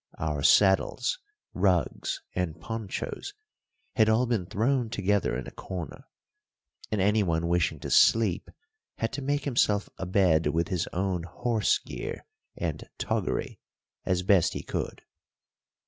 Our saddles, rugs, and ponchos had all been thrown together in a corner, and anyone wishing to sleep had to make himself a bed with his own horse gear and toggery as best he could.